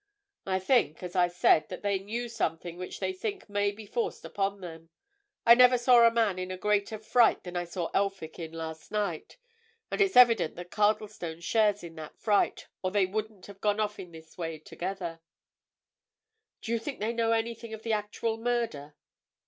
"I think, as I said, that they knew something which they think may be forced upon them. I never saw a man in a greater fright than that I saw Elphick in last night. And it's evident that Cardlestone shares in that fright, or they wouldn't have gone off in this way together." "Do you think they know anything of the actual murder?"